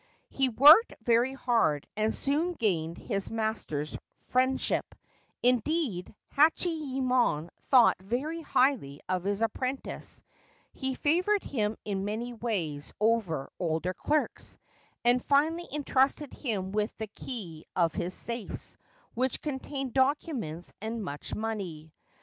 He worked very hard, and soon gained his master's friendship ; indeed, Hachiyemon thought very highly of his apprentice ; he favoured him in many ways 245 Ancient Tales and Folklore of Japan over older clerks, and finally entrusted him with the key of his safes, which contained documents and much money.